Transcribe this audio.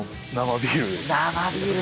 生ビール。